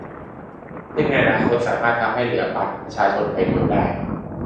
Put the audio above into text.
ซึ่งในอนาคตสามารถทำให้เหลือบัตรประชาชนใบเดียวได้